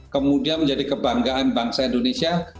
kemudian menjadi kebanggaan bangsa indonesia